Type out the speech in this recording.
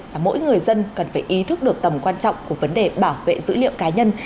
và mỗi người dân cần phải ý thức được tầm quan trọng của vấn đề bảo vệ dữ liệu cá nhân